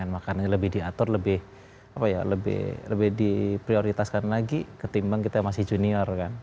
makanan yang lebih diatur lebih apa ya lebih lebih di prioritaskan lagi ketimbang kita masih junior kan